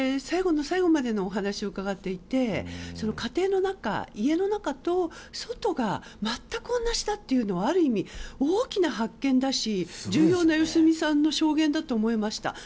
最後の最後までのお話を伺っていて家庭の中、家の中と外が全く同じだというのはある意味大きな発見だし重要な良純さんの証言だと思いました。